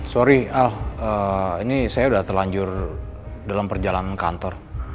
sorry al ini saya sudah terlanjur dalam perjalanan kantor